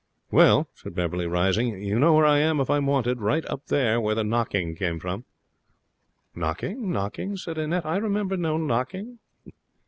'Well,' said Beverley, rising, 'you know where I am if I'm wanted. Right up there where the knocking came from.' 'Knocking?' said Annette. 'I remember no knocking.'